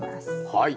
はい。